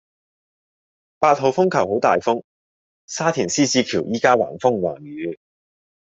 八號風球好大風，沙田獅子橋依家橫風橫雨